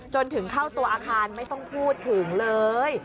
จนถึงเข้าตัวอาคารไม่ต้องพูดถึงเลย